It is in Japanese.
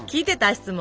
質問。